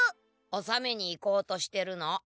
おさめに行こうとしてるの。